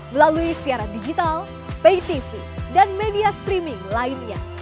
melalui siaran digital pay tv dan media streaming lainnya